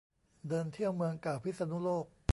เดินเที่ยวเมืองเก่าพิษณุโลก